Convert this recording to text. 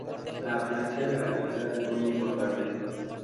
La afluencia de bañistas es muy importante.